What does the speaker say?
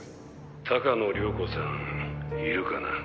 「鷹野涼子さんいるかな？」